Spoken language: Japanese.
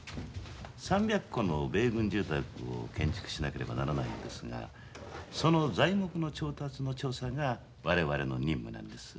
３００戸の米軍住宅を建築しなければならないんですがその材木の調達の調査が我々の任務なんです。